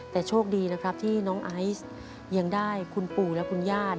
แต่โชคดีนะครับที่น้องไอซ์ยังได้คุณปู่และคุณญาติ